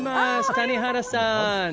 谷原さん。